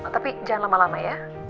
tapi jangan lama lama ya